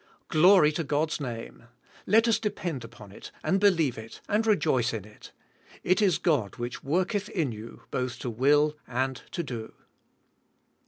Glory to God's name. Let us depend upon it and believe it and re joice in it. *'It is God which worketh in you both to will and to do."